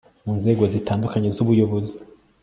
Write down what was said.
mu nzego zitandukanye z'ubuyobozi